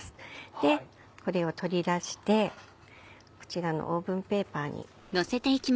でこれを取り出してこちらのオーブンペーパーに。